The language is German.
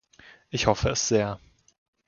Ich hoffe es sehr.